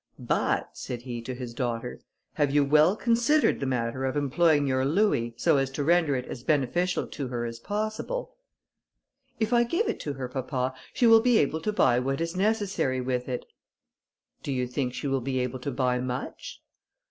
"But," said he to his daughter, "have you well considered the manner of employing your louis, so as to render it as beneficial to her as possible?" "If I give it to her, papa, she will be able to buy what is necessary with it." "Do you think she will be able to buy much?"